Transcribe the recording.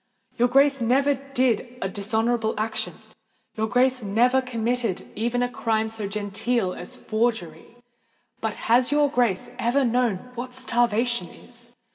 Your Grace never did a dishonourable action—your Grace has never committed even a crime so genteel as forgery! But has your Grace ever known what starvation is?